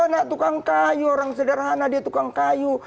anak tukang kayu orang sederhana dia tukang kayu